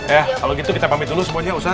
ya kalau gitu kita pamit dulu semuanya ustaz